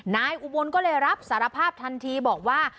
นายอุบลก็เลยรับสารภาพทันทีบอกว่า